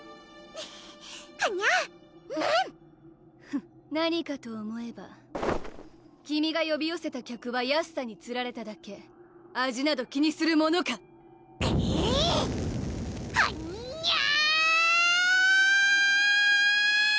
フッ何かと思えば君がよびよせた客は安さにつられただけ味など気にするものかはんにゃ！